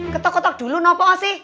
ketok ketok dulu gak apa apa sih